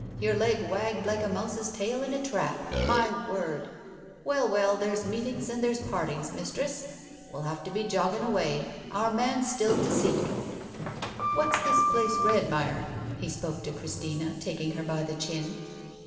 Your leg wagged like a mouse's tail in the trap. My word !... Well, well, there's meetings and there's partings, Mistress. ... We'll have to be jogging away. Our man's still to seek. What's this place Redmire?" He spoke to Christina, taking her by the chin.